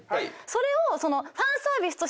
それを。